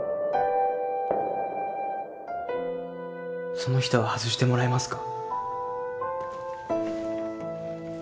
その人は外してもらえますか？